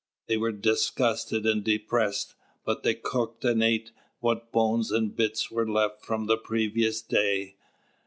They were disgusted and depressed; but they cooked and ate what bones and bits were left from the previous day.